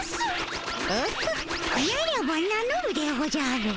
オホッならば名のるでおじゃる。